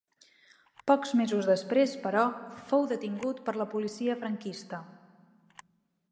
Pocs mesos després, però, fou detingut per la policia franquista.